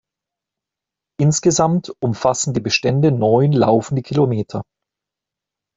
Insgesamt umfassen die Bestände neun laufende Kilometer.